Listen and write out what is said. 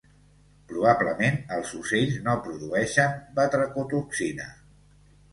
Probablement, els ocells no produeixen batracotoxina.